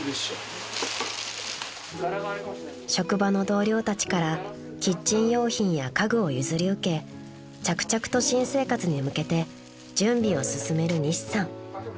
［職場の同僚たちからキッチン用品や家具を譲り受け着々と新生活に向けて準備を進める西さん］